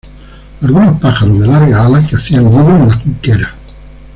algunos pájaros de largas alas, que hacían nido en la junquera